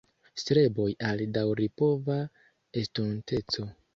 Streboj al daŭripova estonteco.